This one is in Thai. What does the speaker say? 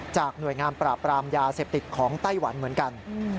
หน่วยงานปราบปรามยาเสพติดของไต้หวันเหมือนกัน